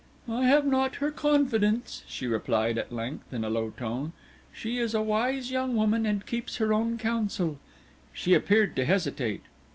"I have not her confidence," she replied at length, in a low tone; "she is a wise young woman and keeps her own counsel." She appeared to hesitate.